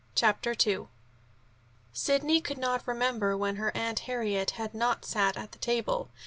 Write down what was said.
CHAPTER II Sidney could not remember when her Aunt Harriet had not sat at the table.